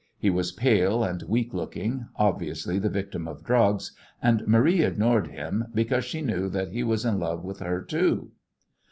He was pale and weak looking, obviously the victim of drugs, and Marie ignored him because she knew that he was in love with her too!